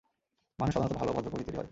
মানুষ সাধারণত ভালো, ভদ্র প্রকৃতিরই হয়।